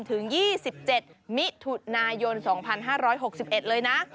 ถึง๒๗มิถุนายน๒๕๖๑เลยนะ